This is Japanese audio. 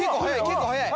結構速い。